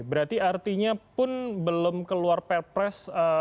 berarti artinya pun belum keluar perpres